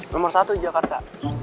nomor satu di jakarta